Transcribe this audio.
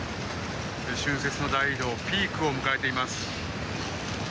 春節の大移動ピークを迎えています。